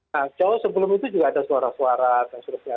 kalau sebelum itu juga ada suara suara dan sebagainya